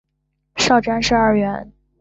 少詹事二员。